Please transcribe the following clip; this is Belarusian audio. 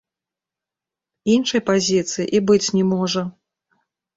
Іншай пазіцыі і быць не можа.